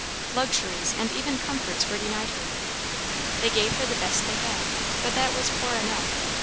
Luxuries and even comforts were denied her. They gave her the best they had, but that was poor enough.